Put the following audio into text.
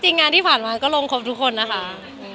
งานที่ผ่านมาก็ลงครบทุกคนนะคะ